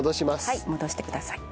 はい戻してください。